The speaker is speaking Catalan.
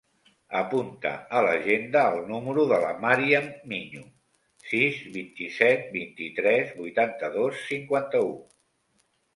Apunta a l'agenda el número de la Màriam Miño: sis, vint-i-set, vint-i-tres, vuitanta-dos, cinquanta-u.